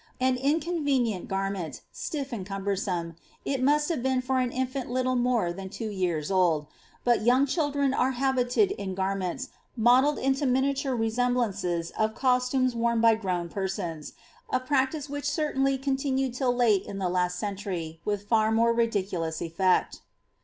An inconvenient garment, stiff and cumbersome, it must have been for an infimt little more than two yean old ; but young children were habited in garments modelled into minia ture resemblances of costumes worn by grown persons, a practice which certainly continued till late in the last century, with £u more ridiculous eflect.'